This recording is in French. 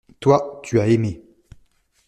Toi, tu as aimé.